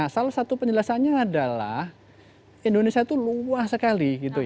salah satu penjelasannya adalah indonesia itu luas sekali